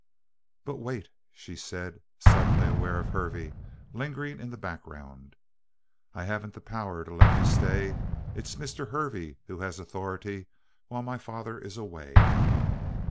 "But wait!" she said, suddenly aware of Hervey, lingering in the background. "I haven't the power to let you stay. It's Mr. Hervey who has authority while my father is away."